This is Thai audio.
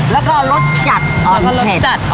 แล้วก็รสจัดอ่อนเผ็ด